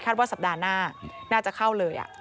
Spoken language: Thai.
ว่าสัปดาห์หน้าน่าจะเข้าเลย